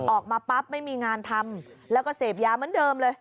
ออกมาปั๊บไม่มีงานทำแล้วก็เสพยาเหมือนเดิมเลย